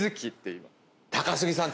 高杉さん